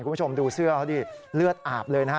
คุณผู้ชมดูเสื้อเขาดิเลือดอาบเลยนะฮะ